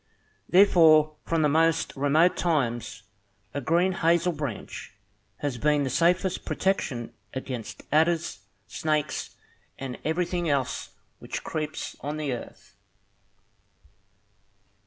Therefore, from the most remote times, a green hazel branch has been the safest protection against adders, snakes, and everything else which creeps on the earth.